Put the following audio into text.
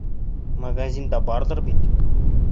— Магазинда барҙыр бит?